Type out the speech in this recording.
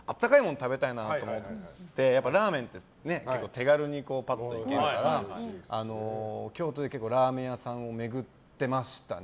食べたいなと思ってラーメンってぱっと結構、手軽に行けるから京都でラーメン屋さんを巡ってましたね。